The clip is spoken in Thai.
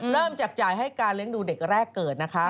แจกจ่ายให้การเลี้ยงดูเด็กแรกเกิดนะคะ